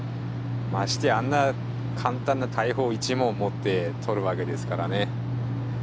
ましてやあんな簡単な大砲一門持って獲るわけですからね。